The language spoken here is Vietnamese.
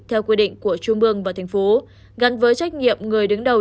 theo quy định của trung mương và thành phố gắn với trách nhiệm người đứng đầu